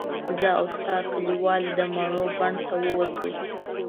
زه او استاد کلیوال د مڼو بڼ ته ووتو.